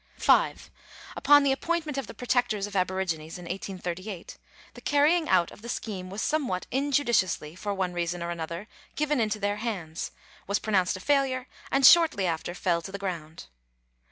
5. Upon the appointment of the Protectors of Aborigines in 1838, the carrying out of the scheme was somewhat injudiciously, for one reason or other, given into their hands, was pronounced a failure, and shortly after fell to the ground.